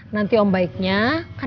nanti om baik dia